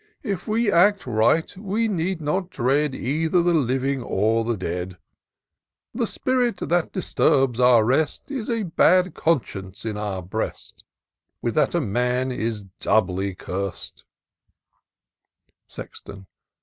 If we act right, we need not dread Either the living or the dead ; The spirit that disturbs our rest Is a bad conscience in our breast ; With that a man is doubly curst :" Sexton.